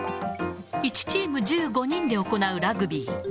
１チーム１５人で行うラグビー。